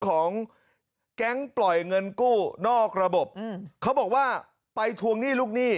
ของแก๊งปล่อยเงินกู้นอกระบบเขาบอกว่าไปทวงหนี้ลูกหนี้